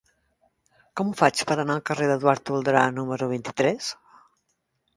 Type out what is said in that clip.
Com ho faig per anar al carrer d'Eduard Toldrà número vint-i-tres?